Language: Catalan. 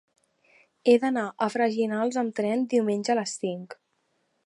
He d'anar a Freginals amb tren diumenge a les cinc.